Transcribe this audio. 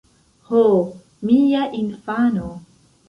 Ho, mia infano!